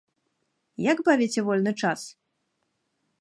Як бавіце вольны час?